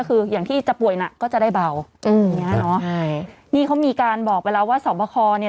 ก็จะได้เบาอย่างนี้เนอะนี่เขามีการบอกไปแล้วว่าสอบคอเนี่ย